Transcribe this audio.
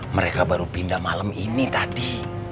mereka baru pindah malam ini tadi